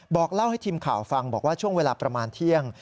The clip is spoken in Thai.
บอกเล่าให้ทีมข่าวฟังบอกว่าช่วงเวลาประมาณเที่ยง